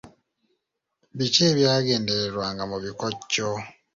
Biki ebyagendererwanga mu bikokyo?